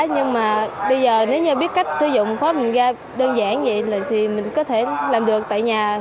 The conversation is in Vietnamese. nhưng mà bây giờ nếu như biết cách sử dụng khóa mình ra đơn giản như vậy thì mình có thể làm được tại nhà